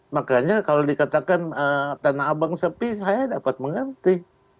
makanya kalau dikatakan tanah abang sepi saya dapat mengganti